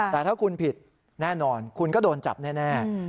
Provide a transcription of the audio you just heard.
แต่ถ้าคุณผิดแน่นอนคุณก็โดนจับแน่